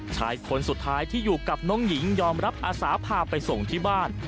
ชายคนสุดท้ายที่อยู่กับน้องหญิงยอมรับอาสาพาไปส่งที่บ้าน